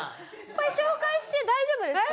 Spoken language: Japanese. これ紹介して大丈夫ですか？